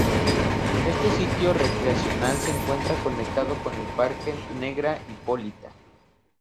Este "sitio recreacional" se encuentra conectado con el parque Negra Hipólita.